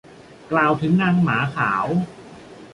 กล่าวถึงนางหมาขาว